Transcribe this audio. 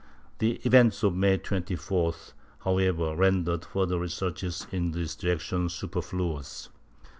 ^ The events of May 24th, however, rendered further researches in this direction superfluous.